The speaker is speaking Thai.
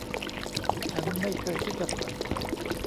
ฉันไม่เคยคิดจะถอย